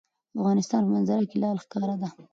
د افغانستان په منظره کې لعل ښکاره ده.